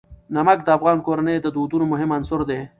نمک د افغان کورنیو د دودونو مهم عنصر دی.